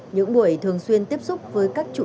những buổi thường xuyên tiếp xúc với các nhân dân